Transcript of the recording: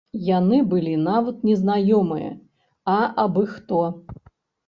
Яны былі нават не знаёмыя, а абы-хто.